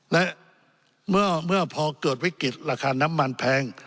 และเมื่อพอเกิดวิกฤตราคาน้ำมันแพง